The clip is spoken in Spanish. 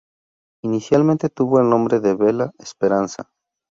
Inicialmente tuvo el nombre de "Bella Esperanza".